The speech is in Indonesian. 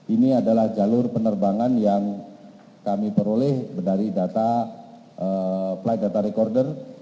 ini adalah jalur penerbangan yang kami peroleh dari data flight data recorder